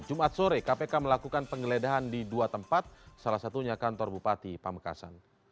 jumat sore kpk melakukan penggeledahan di dua tempat salah satunya kantor bupati pamekasan